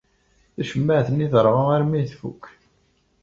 Tacemmaɛt-nni terɣa armi ay tfuk.